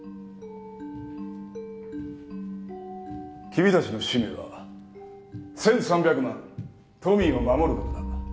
君たちの使命は１，３００万都民を守ることだ。